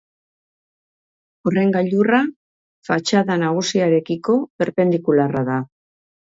Horren gailurra fatxada nagusiarekiko perpendikularra da.